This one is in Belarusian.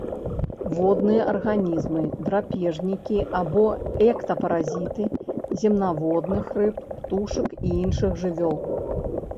Водныя арганізмы, драпежнікі або эктапаразіты земнаводных, рыб, птушак і іншых жывёл.